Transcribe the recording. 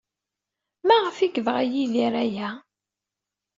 Maɣef ay yebɣa Yidir aya?